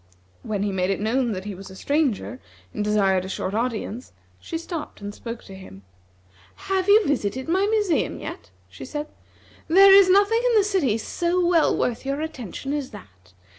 When he made it known that he was a stranger, and desired a short audience, she stopped and spoke to him. "Have you visited my museum yet?" she said. "There is nothing in the city so well worth your attention as that.